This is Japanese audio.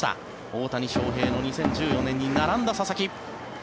大谷翔平の２０１４年に並んだ佐々木。